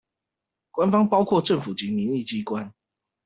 官方包括政府及民意機關